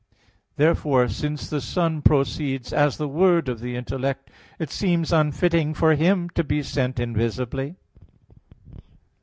Therefore, since the Son proceeds as the word of the intellect, it seems unfitting for Him to be sent invisibly.